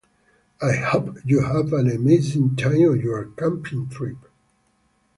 I hope you have an amazing time on your camping trip.